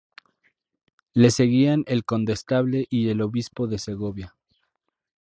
Le seguían el Condestable y el obispo de Segovia.